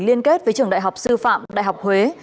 liên kết với trường đại học sư phạm đại học huế